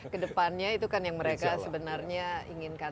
ke depannya itu kan yang mereka sebenarnya inginkan